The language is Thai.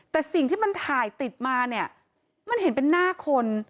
แต่สิ่งที่มันถ่ายติดมาเนี่ยมันเห็นเป็นหน้าคน